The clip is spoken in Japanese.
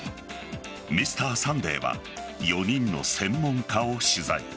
「Ｍｒ．サンデー」は４人の専門家を取材。